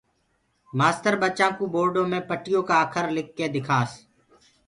مآستر ٻچآنٚ ڪو بورڊو مي پٽيو ڪآ اکر لک ڪي دکاس